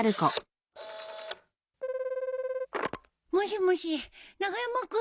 ☎もしもし長山君？